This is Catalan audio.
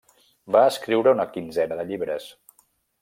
Va escriure una quinzena de llibres.